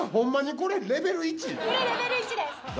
これレベル１です。